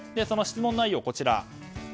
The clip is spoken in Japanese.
その質問内容がこちら。